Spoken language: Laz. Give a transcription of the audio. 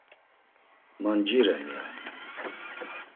Manciren, ya.